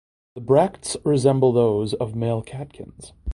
The bracts resemble those of the male catkins.